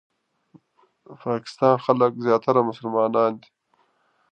د پاکستان خلک زیاتره مسلمانان دي.